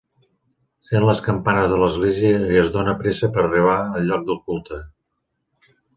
Sent les campanes de l'església i es dona pressa per arribar al lloc de culte.